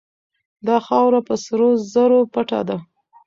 دا خاوره په سرو زرو پټه ده.